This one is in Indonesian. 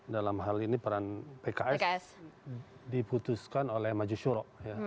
dalam hal ini peran pks diputuskan oleh maju syuro